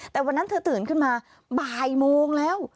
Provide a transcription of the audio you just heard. แต่วันนั้นเธอตื่นขึ้นมาบ่ายโมงแล้ว